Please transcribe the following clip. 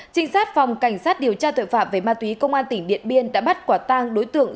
trinh sát phòng cảnh sát điều tra tội phạm về ma túy công an tỉnh điện biên đã bắt quả tang đối tượng